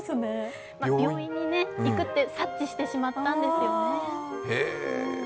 病院に行くって察知してしまったんですね。